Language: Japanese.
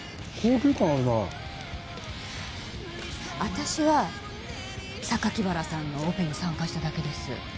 私は榊原さんのオペに参加しただけです。